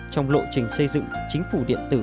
trong lộ trình xây dựng chính phủ điện tử